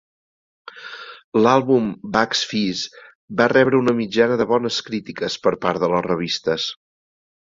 L'àlbum "Bucks Fizz" va rebre una mitjana de bones crítiques per part de les revistes.